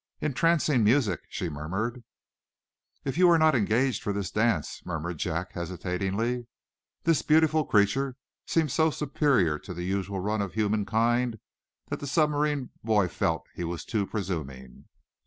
"Entrancing music," she murmured. "If you are not engaged for this dance " murmured Jack, hesitatingly. This beautiful creature seemed so superior to the usual run of the human kind that the submarine boy felt he was too presuming.